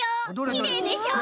きれいでしょ？